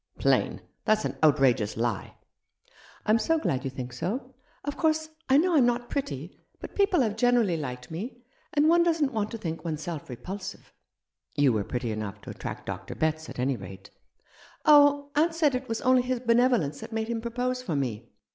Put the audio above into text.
" Plain ! That's an outrageous lie." " I'm so glad you think so. Of course, I know I'm not pretty ; but people have generally liked me, and one doesn't want to think one's self repulsive." "You were pretty enough to attract Dr. Betts, at any rate." "Oh, aunt said it was only his benevolence that made him propose for me.